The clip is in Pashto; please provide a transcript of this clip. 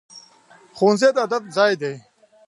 ښوونځی د ادب ځای دی